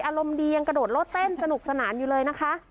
อารมณ์ดียังกระโดดโลดเต้นสนุกสนานอยู่เลยนะคะ